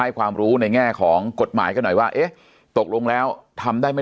ความรู้ในแง่ของกฎหมายกันหน่อยว่าเอ๊ะตกลงแล้วทำได้ไม่